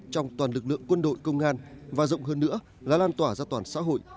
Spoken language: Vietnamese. trong toàn lực lượng quân đội công an và rộng hơn nữa là lan tỏa ra toàn xã hội